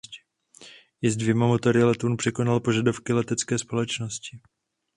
I s dvěma motory letoun překonal požadavky letecké společnosti.